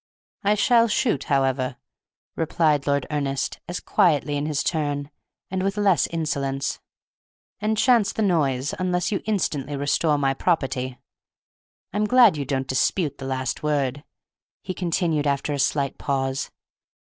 "I shall shoot, however," replied Lord Ernest, as quietly in his turn, and with less insolence, "and chance the noise, unless you instantly restore my property. I am glad you don't dispute the last word," he continued after a slight pause.